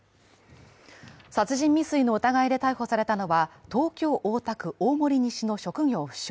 殺人未遂の疑いで逮捕されたのは東京・大田区大森西の職業不詳